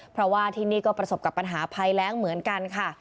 เพราะว่าที่นี่ก็ประสบกับปัญหาภัยแรงเหมือนกันค่ะ